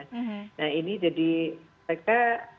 nah ini jadi mereka